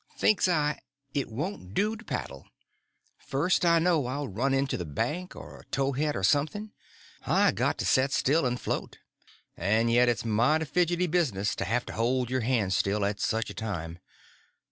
Thinks I, it won't do to paddle; first I know I'll run into the bank or a towhead or something; I got to set still and float, and yet it's mighty fidgety business to have to hold your hands still at such a time.